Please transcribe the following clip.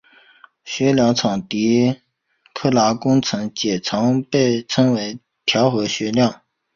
旋量场的狄拉克方程的解常被称为调和旋量。